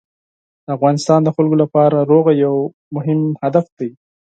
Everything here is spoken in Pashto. د افغانستان خلکو لپاره سوله یو مهم هدف دی.